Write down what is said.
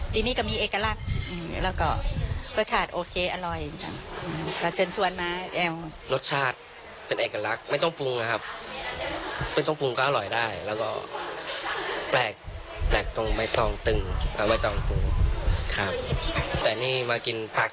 แต่นี่มากินปากต่อปาก